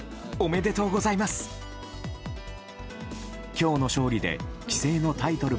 今日の勝利で棋聖のタイトル